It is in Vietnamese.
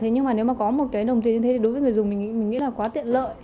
nhưng nếu có một đồng tiền như thế thì đối với người dùng mình nghĩ là quá tiện lợi